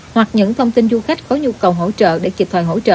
hoặc những thông tin du khách có nhu cầu hỗ trợ để kịp thời hỗ trợ